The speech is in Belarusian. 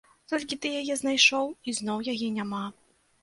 Толькі ты яе знайшоў, і зноў яе няма.